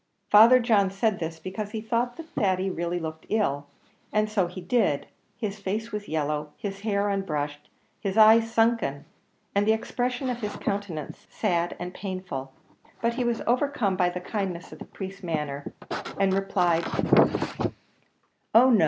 Father John said this because he thought that Thady really looked ill. And so he did; his face was yellow, his hair unbrushed, his eyes sunken, and the expression of his countenance sad and painful; but he was overcome by the kindness of the priest's manner, and replied, "Oh no!